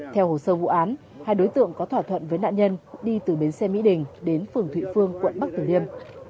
theo hồ sơ vụ án hai đối tượng có thỏa thuận với nạn nhân đi từ bến xe mỹ đình đến phường thụy phương quận bắc tử liêm